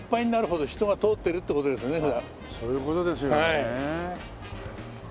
そういう事ですよね。